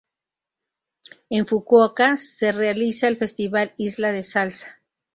En Fukuoka se realiza el Festival Isla de Salsa.